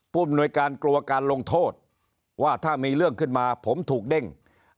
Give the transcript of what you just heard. ผู้อำนวยการกลัวการลงโทษว่าถ้ามีเรื่องขึ้นมาผมถูกเด้ง